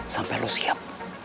sampai lo siap